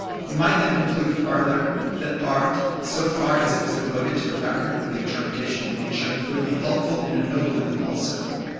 You might then conclude farther, that art, so far as it was devoted to the record or the interpretation of nature, would be helpful and ennobling also.